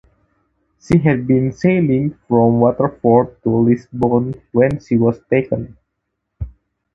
She had been sailing from Waterford to Lisbon when she was taken.